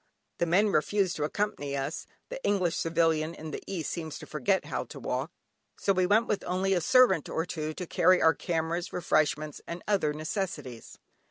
The men refused to accompany us (the English civilian in the East seems to forget how to walk) so we went with only a servant or two to carry our cameras, refreshments, and other necessities.